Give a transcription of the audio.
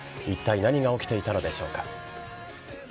一体何が起きていたのでしょうか。